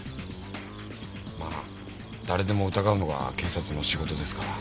まぁ誰でも疑うのが警察の仕事ですから。